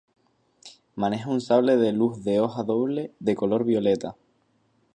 Maneja un sable de luz de hoja doble de color violeta.